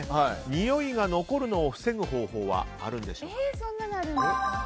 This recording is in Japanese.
においを残すのを防ぐ方法はあるんでしょうか。